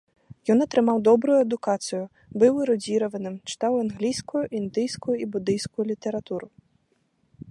Ён атрымаў добрую адукацыю, быў эрудзіраваным, чытаў англійскую, індыйскую і будыйскую літаратуру.